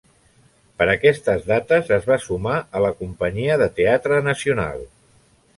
Per aquestes dates es va sumar a la Companyia de Teatre Nacional.